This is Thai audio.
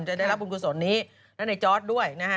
ได้รับบุญกุศลนี้และในจอร์ดด้วยนะฮะ